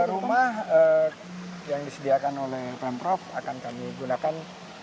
rumah yang disediakan oleh pemprov akan kami gunakan